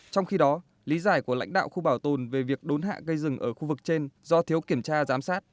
trong khi đó lý giải của lãnh đạo khu bảo tồn về việc đốn hạ cây rừng ở khu vực trên do thiếu kiểm tra giám sát